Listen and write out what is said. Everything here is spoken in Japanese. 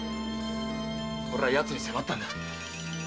俺は奴に迫ったんだ。